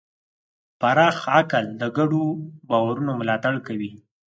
پراخ عقل د ګډو باورونو ملاتړ کوي.